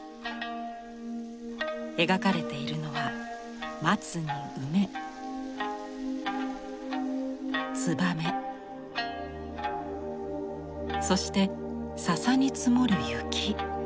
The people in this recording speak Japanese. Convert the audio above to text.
描かれているのは松に梅つばめそして笹に積もる雪。